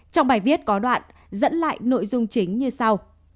trong bài viết có đoạn dẫn lại nội dung chính như sau